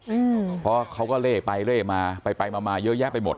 อืมเพราะเขาก็เล่ไปเล่มาไปไปมามาเยอะแยะไปหมด